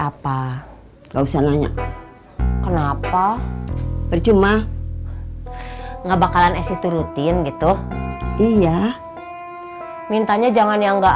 apa nggak usah nanya kenapa percuma enggak bakalan s itu rutin gitu iya mintanya jangan yang enggak